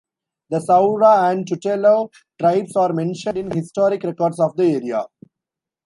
The Saura and Tutelo tribes are mentioned in historic records of the area.